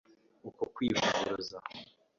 uku kwivuguruza